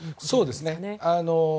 そうですね。